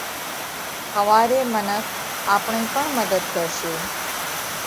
ۿوَاري منک آپڻئِي پڻ مڌت ڪرشي۔